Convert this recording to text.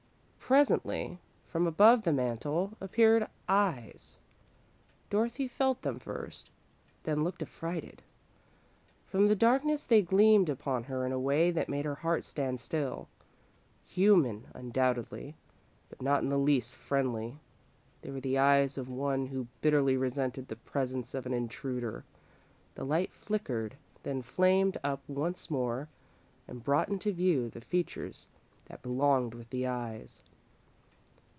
Presently, from above the mantel, appeared eyes. Dorothy felt them first, then looked up affrighted. From the darkness they gleamed upon her in a way that made her heart stand still. Human undoubtedly, but not in the least friendly, they were the eyes of one who bitterly resented the presence of an intruder. The light flickered, then flamed up once more and brought into view the features that belonged with the eyes.